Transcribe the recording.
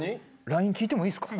ＬＩＮＥ聞いてもいいですか？